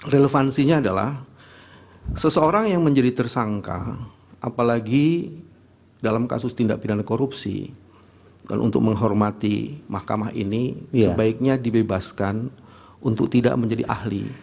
relevansinya adalah seseorang yang menjadi tersangka apalagi dalam kasus tindak pidana korupsi untuk menghormati mahkamah ini sebaiknya dibebaskan untuk tidak menjadi ahli